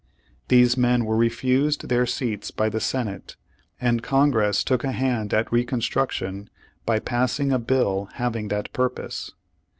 These men were refused their seats by the Senate, and Congress took a hand at reconstruction by passing a bill having that purpose.